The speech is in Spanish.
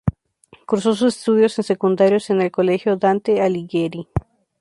Cursó sus estudios secundarios en el Colegio Dante Alighieri.